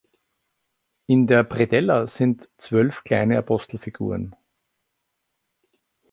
In der Predella sind zwölf kleine Apostelfiguren.